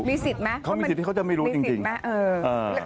มีสิทธิ์มั้ยเขามีสิทธิ์ที่เขาจะไม่รู้จริงจริงมีสิทธิ์มั้ยเออ